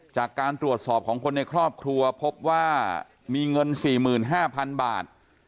จากการตรวจสอบของคนในครอบครัวพบว่ามีเงิน๔๕๐๐๐บาท